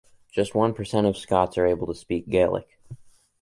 Just one percent of Scots are able to speak Gaelic.